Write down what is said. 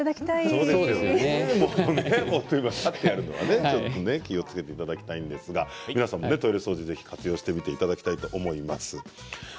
立ってやるのは気をつけていただきたいんですが皆さんもトイレ掃除、活用していただきたいと思います。